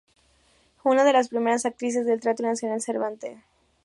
Fue una de las primer actrices del Teatro Nacional Cervantes.